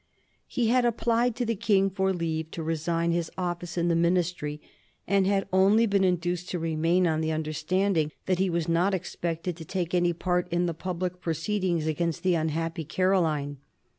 He had applied to the King for leave to resign his office in the Ministry, and had only been induced to remain on the understanding that he was not expected to take any part in the public proceedings against the unhappy Caroline.